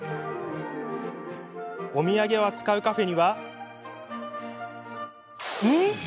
お土産を扱うカフェにはんっ？